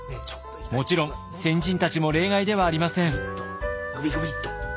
もちろん先人たちも例外ではありません。